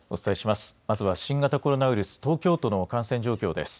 まずは新型コロナウイルス、東京都の感染状況です。